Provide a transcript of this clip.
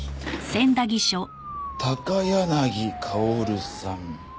高柳薫さん。